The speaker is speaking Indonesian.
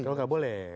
kalau nggak boleh